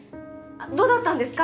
どうだったんですか？